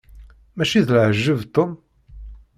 Mačči d leɛjeb Tom?